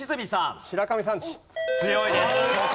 強いです。